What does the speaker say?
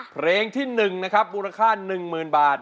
เพลงที่หนึ่งนะครับมูลค่าหนึ่งหมื่นบาท